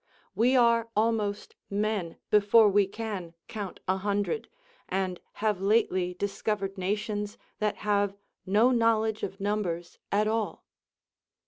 We are almost men before we can count a hundred, and have lately discovered nations that have no knowledge of numbers at all.